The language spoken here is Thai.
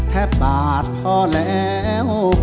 แทบบาทพอแล้ว